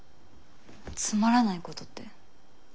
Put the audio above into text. つまらないことって？